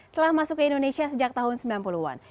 telah masuk ke indonesia sejak tahun sembilan puluh an